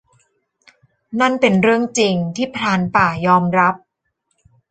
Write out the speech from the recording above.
นั่นเป็นเรื่องจริง ที่ พรานป่า ยอมรับ